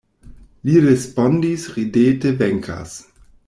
Li respondis ridete, venkas.